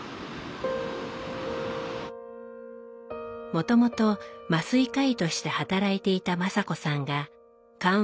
もともと麻酔科医として働いていた雅子さんが緩和